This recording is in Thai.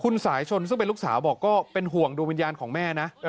คุณสายชนซึ่งเป็นลูกสาวบอกก็เป็นห่วงดวงวิญญาณของแม่นะ